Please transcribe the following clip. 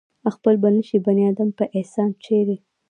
خپل به نشي بنيادم پۀ احسان چرې